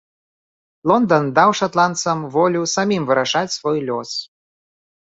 Лондан даў шатландцам волю самім вырашаць свой лёс.